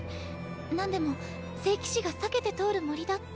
なんでも聖騎士が避けて通る森だって。